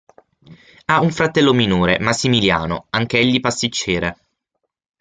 Ha un fratello minore, Massimiliano, anch'egli pasticciere.